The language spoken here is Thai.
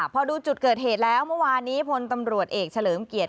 พอดูจุดเกิดเหตุแล้วเมื่อวานนี้พลตำรวจเอกเฉลิมเกียรติ